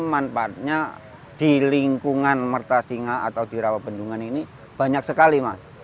manfaatnya di lingkungan merta singa atau di rawa bendungan ini banyak sekali mas